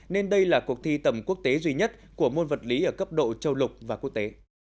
nên đây là cuộc thi tầm quốc tế duy nhất của môn vật lý ở cấp độ châu lục và quốc tế